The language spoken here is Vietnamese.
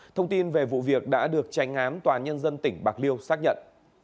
thông tin về vụ việc đã được tranh án tòa nhân dân tỉnh bạc liêu xác nhận